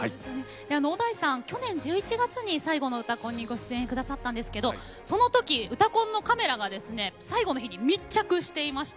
小田井さん、去年１１月に最後の「うたコン」にご出演くださったんですけどそのとき「うたコン」のカメラが最後の日に密着していました。